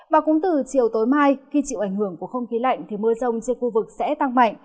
và cũng từ chiều tối mai khi chịu ảnh hưởng của không khí lạnh thì mưa rông trên khu vực sẽ tăng mạnh